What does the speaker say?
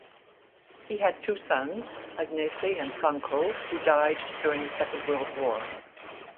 He had two sons, Agnese and Franco, who died during the second world war.